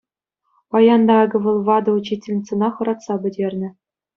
Паян та акӑ вӑл ватӑ учительницӑна хӑратса пӗтернӗ.